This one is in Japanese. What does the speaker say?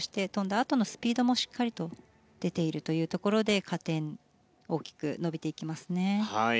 あとのスピードも出ているというところで加点、大きく伸びていきますね。